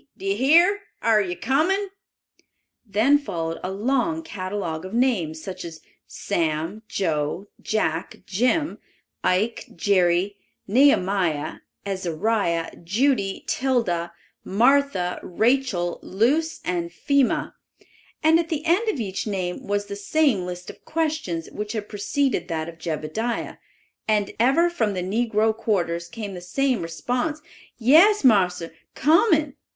Do you hear? Are you coming?" Then followed a long catalogue of names, such as Sam, Joe, Jack, Jim, Ike, Jerry, Nehemiah, Ezariah, Judy, Tilda, Martha, Rachel, Luce and Phema, and at the end of each name was the same list of questions which had preceded that of Jebediah; and ever from the negro quarters came the same response, "Yes, marster, comin'."